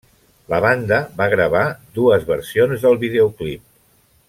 La banda va gravar dues versions del videoclip.